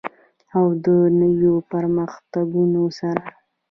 او د نویو پرمختګونو سره.